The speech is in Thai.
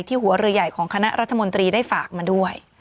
หัวเรือใหญ่ของคณะรัฐมนตรีได้ฝากมาด้วย